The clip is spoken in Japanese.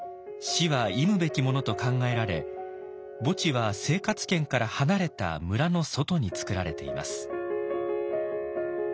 死は忌むべきものと考えられ墓地は生活圏から離れた村の外に作られています。